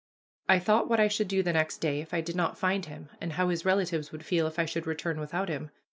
I thought what I should do the next day if I did not find him, and how his relatives would feel if I should return without him.